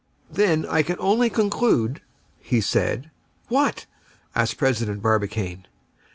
"Then I can only conclude" said he. "What?" asked President Barbicane.